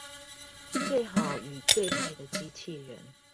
最好與最壞的機器人